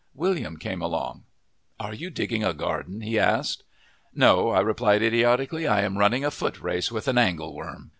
William came along. "Are you digging a garden?" he asked. "No," I replied idiotically; "I am running a footrace with an angle worm!"